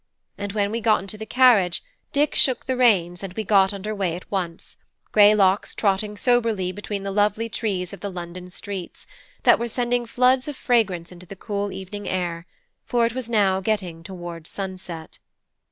And then we got into the carriage, Dick shook the reins, and we got under way at once, Greylocks trotting soberly between the lovely trees of the London streets, that were sending floods of fragrance into the cool evening air; for it was now getting toward sunset.